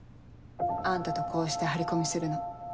あんたとこうして張り込みするの。